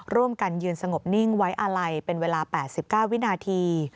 ร่วมกันยืนสงบนิ่งไว้อาลัยเป็นเวลา๘๙วินาที